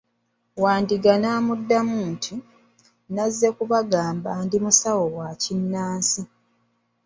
Wandiga n'amuddamu nti, nazze kubanga ndi musawo wakinnansi.